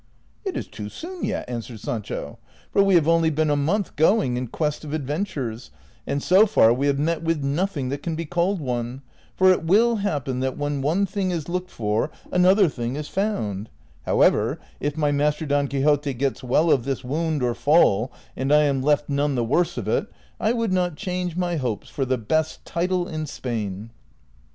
" It is too soon yet," answered Sancho, " for Ave have only been a month going in quest of adventures, and so far we have met with nothing that can be called one, for it will happen that when one thing is looked for another thing is found ; however, if my master Don Quixote gets well of this wound, or fall, and I am left none the worse of it, I would not change nxy hopes for the best title in Spain."